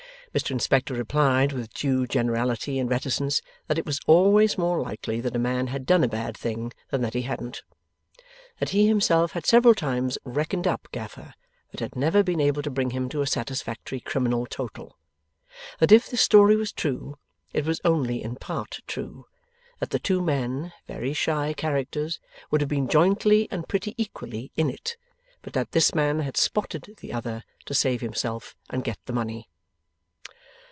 Mr Inspector replied, with due generality and reticence, that it was always more likely that a man had done a bad thing than that he hadn't. That he himself had several times 'reckoned up' Gaffer, but had never been able to bring him to a satisfactory criminal total. That if this story was true, it was only in part true. That the two men, very shy characters, would have been jointly and pretty equally 'in it;' but that this man had 'spotted' the other, to save himself and get the money.